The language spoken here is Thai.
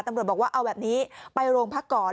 ตำรวจบอกว่าเอาแบบนี้ไปโรงพักก่อน